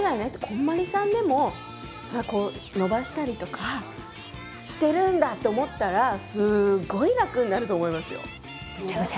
こんまりさんでもそれは延ばしたりとかしてるんだって思ったらすごい楽になると思いますよ。